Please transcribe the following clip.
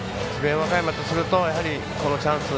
和歌山とするとやはり、このチャンス